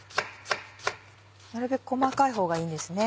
なるべく細かい方がいいんですね。